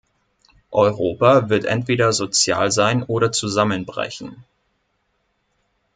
Europa wird entweder sozial sein oder zusammenbrechen.